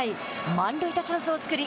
満塁とチャンスを作り